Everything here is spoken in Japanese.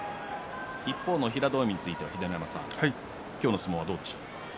一方の平戸海については秀ノ山さん、どうでしょうか。